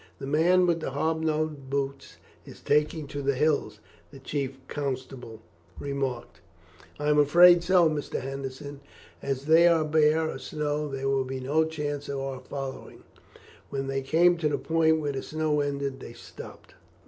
"The man with the hob nailed boots is taking to the hills," the chief constable remarked. "I am afraid so, Mr. Henderson; and as they are bare of snow there will be no chance of our following him." When they came to the point where the snow ended they stopped.